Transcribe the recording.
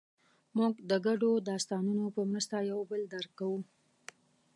موږ د ګډو داستانونو په مرسته یو بل درک کوو.